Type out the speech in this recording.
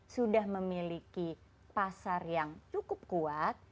sudah memiliki pasar yang cukup kuat